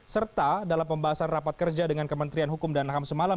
serta dalam pembahasan rapat kerja dengan kementerian hukum dan ham semalam